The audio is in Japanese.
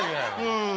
うん。